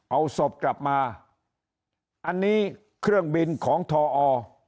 เอาศพกลับมาอันนี้เครื่องบินของทอ